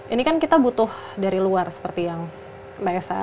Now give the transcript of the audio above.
ini kan kita butuh dari luar seperti yang mbak esa